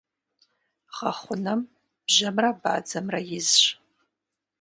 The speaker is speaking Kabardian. Гъэхъунэм бжьэмрэ бадзэмрэ изщ.